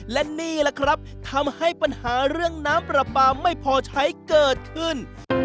และนี่แหละครับทำให้ปัญหาเรื่องน้ำปลาปลาไม่พอใช้เกิดขึ้น